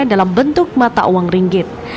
dalam bentuk mata uang ringgit